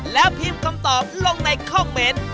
แล้วพิมพ์คำตอบลงในคอมเมนต์